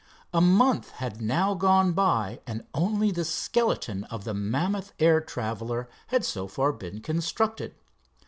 A month had now gone by, and only the skeleton of the mammoth air traveler had so far been constructed.